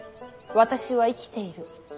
私は生きている。